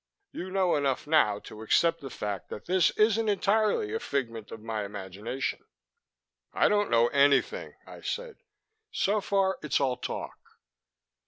You know enough now to accept the fact that this isn't entirely a figment of my imagination." "I don't know anything," I said. "So far it's all talk."